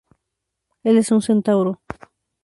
Él es un Centauro.